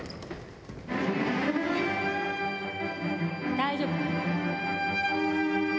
大丈夫。